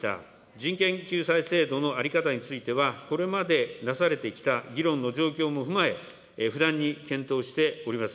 人権救済制度の在り方については、これまでなされてきた議論の状況も踏まえ、不断に検討しております。